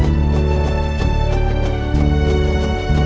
anggaver kamu semua